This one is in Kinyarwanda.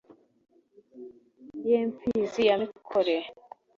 ye mfizi ya mikore